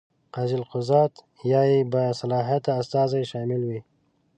قاضي القضات یا یې باصلاحیت استازی شامل وي.